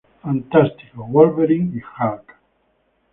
Fantástico, Wolverine y Hulk.